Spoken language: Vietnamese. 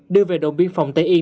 đưa về đồn biên phòng tây yên